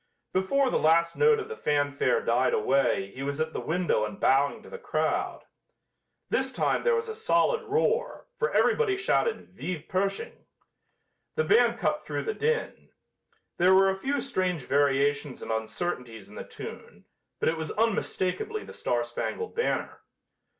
Before the last note of the fanfare died away he was at the window and bowing to the crowd. This time there was a solid roar, for everybody shouted "Vive Pershing." The band cut through the din. There were a few strange variations and uncertainties in the tune, but it was unmistakably "The Star Spangled Banner."